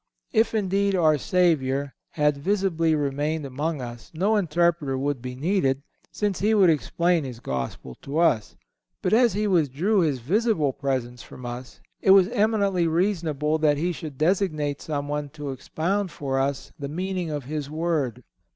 If, indeed, our Saviour had visibly remained among us, no interpreter would be needed, since He would explain His Gospel to us; but as He withdrew His visible presence from us, it was eminently reasonable that He should designate someone to expound for us the meaning of His Word.